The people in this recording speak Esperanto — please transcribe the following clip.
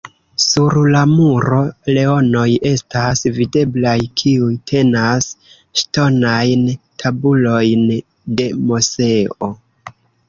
Sur la muro leonoj estas videblaj, kiuj tenas ŝtonajn tabulojn de Moseo.